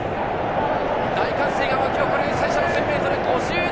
大歓声が巻き起こる最初の１０００ｍ、５７秒４！